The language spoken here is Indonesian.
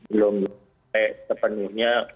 belum sampai sepenuhnya